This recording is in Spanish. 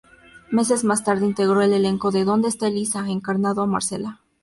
Meses más tarde, integró el elenco de ¿Dónde está Elisa?, encarnando a Marcela.